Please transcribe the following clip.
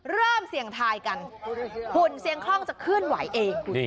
เริ่มเสี่ยงทายกันหุ่นเสียงคล่องจะเคลื่อนไหวเอง